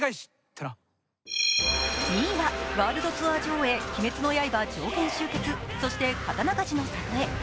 ２位は「ワールドツアー上映『鬼滅の刃』上弦集結、そして刀鍛冶の里へ」。